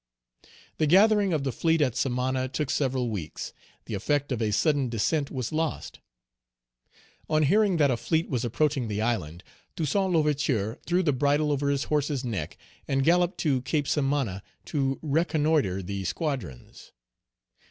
The gathering of the fleet at Samana took several weeks. The effect of a sudden descent was lost. On hearing that a fleet was approaching the island, Toussaint L'Ouverture threw the bridle over his horse's neck, and galloped to Cape Samana to reconnoitre the squadrons.